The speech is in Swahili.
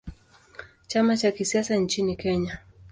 Chama cha kisiasa nchini Kenya.